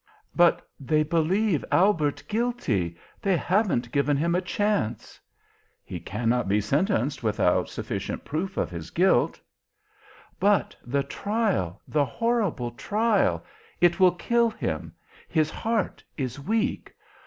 "But they believe Albert guilty! They haven't given him a chance!" "He cannot be sentenced without sufficient proof of his guilt." "But the trial, the horrible trial it will kill him his heart is weak.